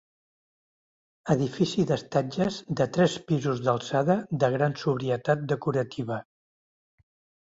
Edifici d'estatges de tres pisos d'alçada de gran sobrietat decorativa.